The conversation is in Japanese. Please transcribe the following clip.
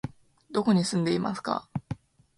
どこに住んでいますか？